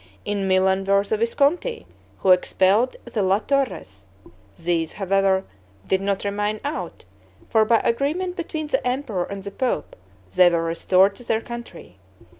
In Milan were the Visconti, who expelled the La Torres; these, however, did not remain out, for by agreement between the emperor and the pope they were restored to their country.